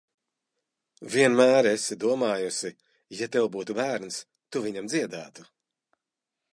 Vienmēr esi domājusi, ja tev būtu bērns, tu viņam dziedātu.